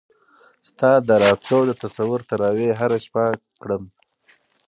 ستا د راتلو د تصور تراوېح هره شپه کړم